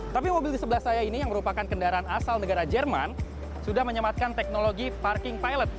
tapi mobil di sebelah saya ini yang merupakan kendaraan asal negara jerman sudah menyematkan teknologi parking pilot